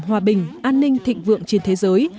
hòa bình an ninh thịnh vượng trên thế giới